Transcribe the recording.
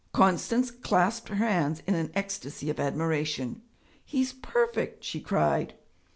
Constance clasped her hands in an ecstasy of admiration. 'He's perfect!' she cried.